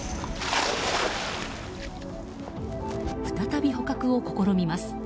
再び捕獲を試みます。